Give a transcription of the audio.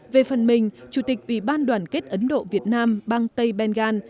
về phần mình chủ tịch ủy ban đoàn kết ấn độ việt nam bang tây bengal